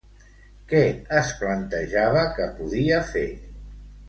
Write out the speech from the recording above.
Què es plantejava que podia fer?